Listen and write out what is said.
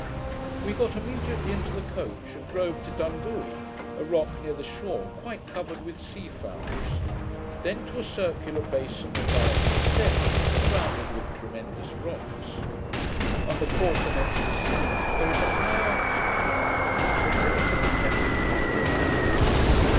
We got immediately into the coach, and drove to Dunbui, a rock near the shore, quite covered with sea fowls; then to a circular bason of large extent, surrounded with tremendous rocks. On the quarter next the sea, there is a high arch in the rock, which the force of the tempest has driven out.